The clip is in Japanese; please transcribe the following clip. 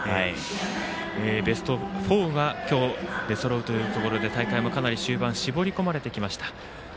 ベスト４が今日、出そろうというところで大会も終盤を迎えてきました。